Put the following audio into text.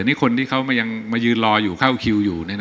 แล้วปิดเลยอันนี้คนที่เขายืนรออยู่เข้าคิวอยู่